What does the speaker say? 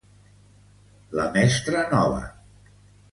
La mestra nova.